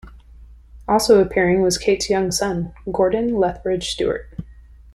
Also appearing was Kate's young son, Gordon Lethbridge-Stewart.